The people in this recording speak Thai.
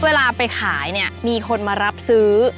เวลาไปขายเนี่ยมีคนมารับซื้อ